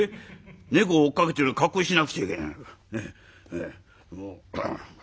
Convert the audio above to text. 猫追っかけてる格好しなくちゃいけねえ」。